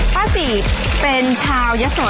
ป๊าสีเป็นชาวยสวทร